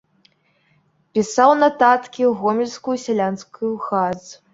Пісаў нататкі ў гомельскую сялянскую газ.